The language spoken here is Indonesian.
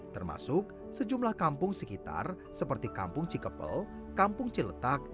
termasuk sejumlah kampung sekitar seperti kampung cikepel kampung ciletak